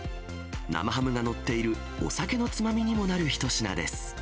生ハムが載っている、お酒のつまみにもなる一品です。